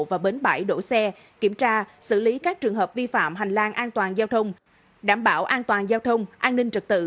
và bến bãi đổ xe kiểm tra xử lý các trường hợp vi phạm hành lang an toàn giao thông đảm bảo an toàn giao thông an ninh trật tự